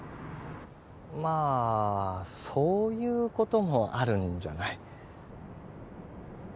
まあそういうこともあるんじゃない？